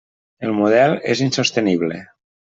El model és insostenible.